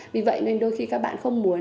vì vậy nên đôi khi các bạn không muốn